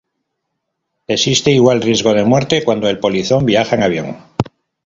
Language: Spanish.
Existe igual riesgo de muerte cuando el polizón viaja en avión.